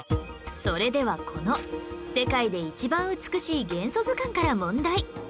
それではこの『世界で一番美しい元素図鑑』から問題